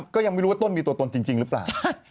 ก็ยังไม่รู้ว่าต้นมีตัวตนจริงหรือเปล่า